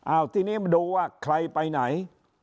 เอาทีนี้มาดูว่าใครไปไหน